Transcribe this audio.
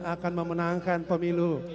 akan memenangkan pemilu